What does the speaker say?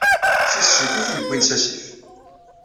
D tissit i t-yewwin s asif.